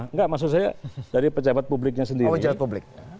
enggak maksud saya dari pejabat publiknya sendiri